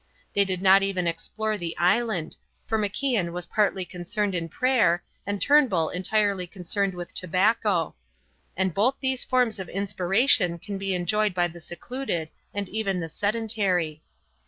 They did not even explore the island; for MacIan was partly concerned in prayer and Turnbull entirely concerned with tobacco; and both these forms of inspiration can be enjoyed by the secluded and even the sedentary.